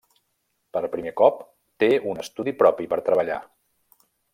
Per primer cop té un estudi propi per treballar.